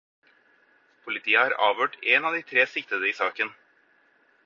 Politiet har avhørt en av de tre siktede i saken.